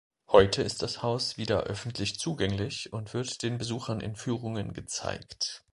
Heute ist das Haus wieder öffentlich zugänglich und wird den Besuchern in Führungen gezeigt.